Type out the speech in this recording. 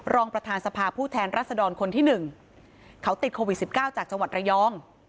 รองประธานสภาผู้แทนรัศดรคนที่๑เขาติดโควิด๑๙จากจังหวัดระยอง